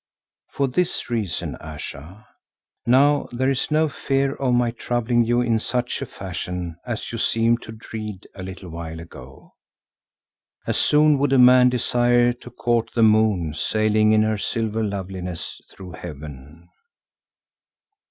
"For this reason, Ayesha. Now there is no fear of my troubling you in such a fashion as you seemed to dread a little while ago. As soon would a man desire to court the moon sailing in her silver loveliness through heaven."